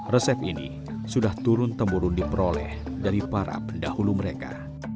resep ini sudah turun temurun diperoleh dari para pendahulu mereka